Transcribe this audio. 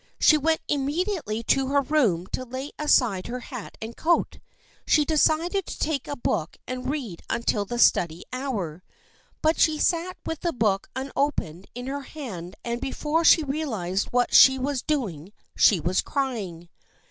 She went immedi ately to her room to lay aside her hat and coat. She decided to take a book and read until the study hour. But she sat with the book unopened in her hand and before she realized what she was doing she was crying.